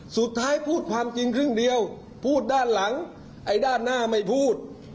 สุดท้ายพูดความจริงครึ่งเดียวพูดด้านหลังไอ้ด้านหน้าไม่พูด